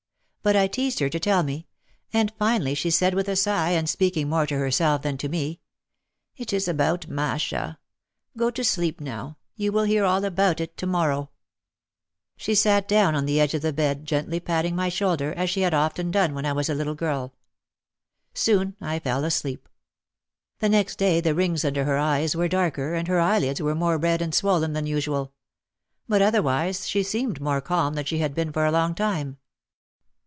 But I teased her to tell me. And finally she said with a sigh and speaking more to herself than to me, "It is about Masha. Go to sleep now, you will hear all about it to morrow." She sat down on the edge of the bed gently patting OUT OF THE SHADOW 31 my shoulder, as she had often done when I was a little child. Soon I fell asleep. The next day the rings under her eyes were darker, and her eyelids were more red and swollen than usual. But otherwise she seemed more calm than she had been for a long time.